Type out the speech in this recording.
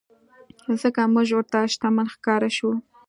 ځکه مونږ ورته شتمن ښکاره شوو.